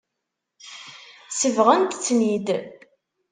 Sebɣent-ten-id.